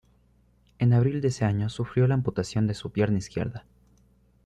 En abril de ese año sufrió la amputación de su pierna izquierda.